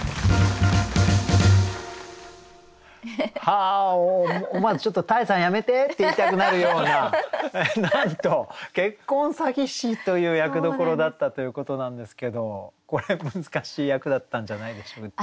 は思わずちょっと多江さんやめて！って言いたくなるようななんと結婚詐欺師という役どころだったということなんですけどこれ難しい役だったんじゃないでしょう？